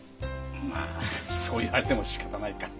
まあそう言われてもしかたないか。